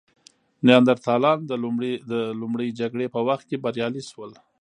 نیاندرتالان د لومړۍ جګړې په وخت کې بریالي شول.